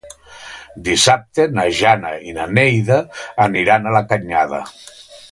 Dissabte na Jana i na Neida aniran a la Canyada.